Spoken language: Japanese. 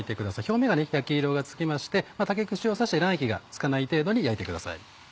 表面が焼き色がつきまして竹串を刺して卵液が付かない程度に焼いてください。